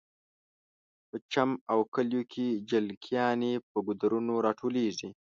په چم او کلیو کې جلکیانې په ګودرونو راټولیږي